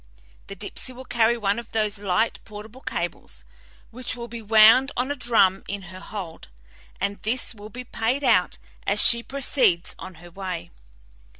The Dipsey will carry one of those light, portable cables, which will be wound on a drum in her hold, and this will be paid out as she proceeds on her way.